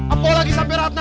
apalagi sampai ratna